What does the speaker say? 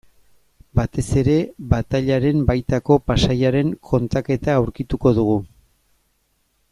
Batez ere batailaren baitako paisaiaren kontaketa aurkituko dugu.